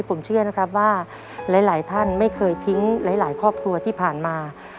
ผมเชื่อนะครับว่าหลายท่านไม่เคยทิ้งหลายครอบครัวที่ผ่านมา